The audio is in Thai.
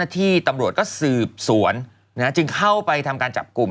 ที่ตำรวจก็สืบสวนจึงเข้าไปทำการจับกลุ่ม